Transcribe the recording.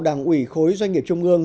đảng ủy khối doanh nghiệp trung ương